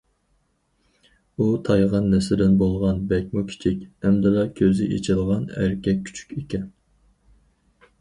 ئۇ تايغان نەسلىدىن بولغان بەكمۇ كىچىك، ئەمدىلا كۆزى ئېچىلغان ئەركەك كۈچۈك ئىكەن.